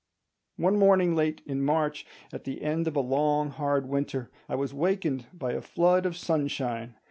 One morning late in March, at the end of a long hard winter, I was wakened by a flood of sunshine.